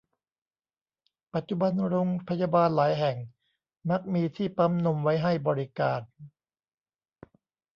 ปัจจุบันโรงพยาบาลหลายแห่งมักมีที่ปั๊มนมไว้ให้บริการ